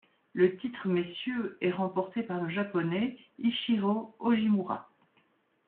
Le titre messieurs est remporté par le japonais Ichirō Ogimura.